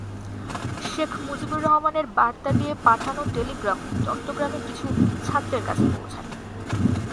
শেখ মুজিবুর রহমানের বার্তা দিয়ে পাঠানো টেলিগ্রাম চট্টগ্রামে কিছু ছাত্রের কাছে পৌঁছায়।